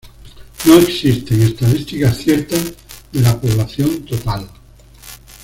No existen estadísticas ciertas de la población total.